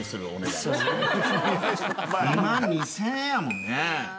２万２０００円やもんね。